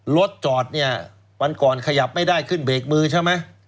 รถจอดเนี่ยวันก่อนขยับไม่ได้ขึ้นเบรกมือใช่ไหม